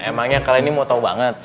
emangnya kali ini mau tau banget